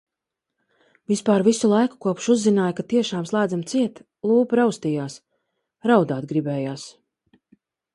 Vispār visu laiku kopš uzzināju, ka tiešām slēdzam ciet, lūpa raustījās, raudāt gribējās.